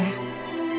bukankah dia panggilan